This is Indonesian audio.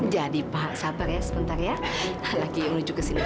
jadi pak sabar ya sebentar ya lagi menuju ke sini